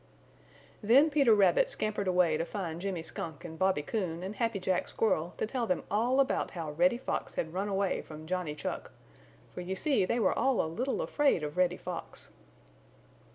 Then Peter Rabbit scampered away to find Jimmy Skunk and Bobby Coon and Happy Jack Squirrel to tell them all about how Reddy Fox had run away from Johnny Chuck, for you see they were all a little afraid of Reddy Fox.